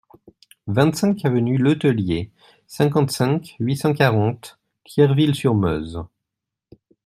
vingt-cinq avenue Letellier, cinquante-cinq, huit cent quarante, Thierville-sur-Meuse